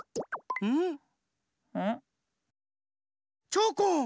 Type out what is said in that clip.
チョコン！